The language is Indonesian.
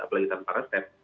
apalagi tanpa resep